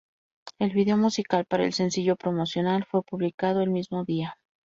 El video musical para el sencillo promocional fue publicado el mismo día.